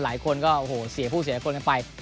หลายคนก็โอ้โหเสียผู้เสียคนกันไป